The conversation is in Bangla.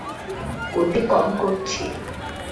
গতি কম করছি।